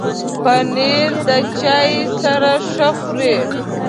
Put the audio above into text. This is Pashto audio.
پنېر د چای سره ښه خوري.